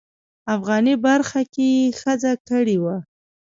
افغاني برخه کې یې ښځه کړې وه.